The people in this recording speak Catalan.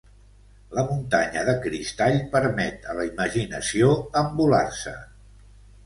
La muntanya de cristall permet a la imaginació envolar-se.